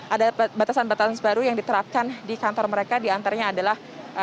ada batasan batasan baru yang diterapkan di kantor mereka diantaranya adalah